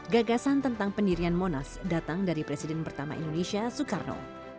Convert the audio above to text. gagasan tentang pendirian monas datang dari presiden pertama indonesia soekarno